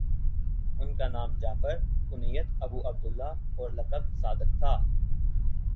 ان کا نام جعفر کنیت ابو عبد اللہ اور لقب صادق تھا